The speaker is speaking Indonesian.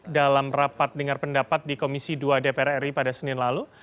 dalam rapat dengar pendapat di komisi dua dpr ri pada senin lalu